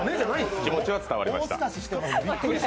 気持ちは伝わりました。